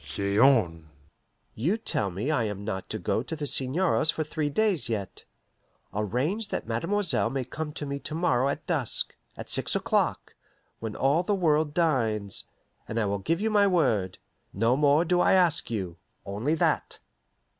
"Say on." "You tell me I am not to go to the seigneur's for three days yet. Arrange that mademoiselle may come to me to morrow at dusk at six o'clock, when all the world dines and I will give my word. No more do I ask you only that."